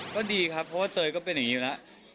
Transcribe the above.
ก็ดีครับเพราะว่าเตยก็เป็นอย่างนี้อยู่แล้ว